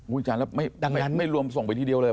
อาจารย์แล้วไม่รวมส่งไปทีเดียวเลย